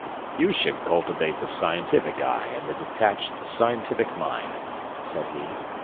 "You should cultivate the scientific eye and the detached scientific mind," said he.